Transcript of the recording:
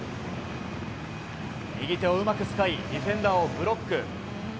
右手をうまく使いディフェンダーをブロック。